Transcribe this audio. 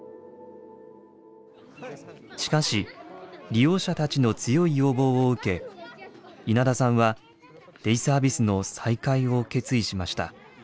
しかし利用者たちの強い要望を受け稲田さんはデイサービスの再開を決意しました。